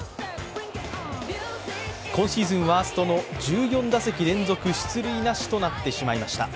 今シーズンワーストの１４打席連続出塁なしとなってしまいました。